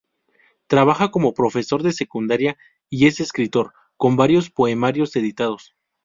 Trabaja como profesor de secundaria y es escritor, con varios poemarios editados.